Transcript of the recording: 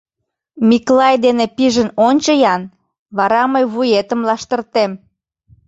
Миклай дене пижын ончо-ян, вара мый вуетым лаштыртем!